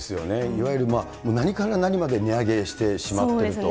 いわゆる何から何まで値上げしてしまっていると。